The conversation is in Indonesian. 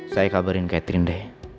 saya kabarin catherine deh